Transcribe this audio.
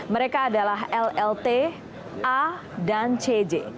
mereka adalah llt a dan cj